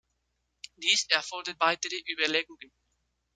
Dies erfordert weitere Überlegungen.